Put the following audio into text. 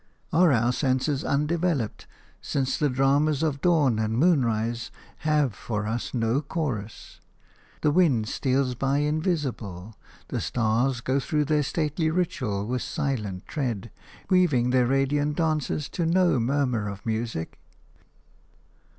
Are our senses undeveloped, since the dramas of dawn and moonrise have for us no chorus; the wind steals by invisible; the stars go through their stately ritual with silent tread, weaving their radiant dances to no murmur of music?